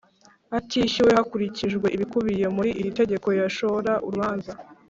atishyuwe hakurikijwe ibikubiye muri iri tegeko yashora urubanza